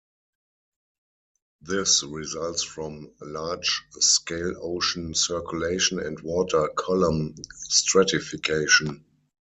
This results from large-scale ocean circulation and water column stratification.